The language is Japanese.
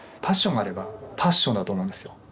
パッションがあればパッションだと思うんですよ